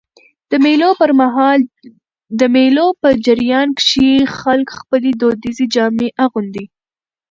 د مېلو په جریان کښي خلک خپلي دودیزي جامې اغوندي.